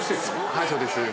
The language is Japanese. はいそうです。